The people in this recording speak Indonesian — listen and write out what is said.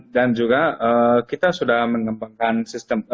dan juga kita sudah mengembangkan sistem